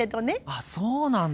あそうなんだ。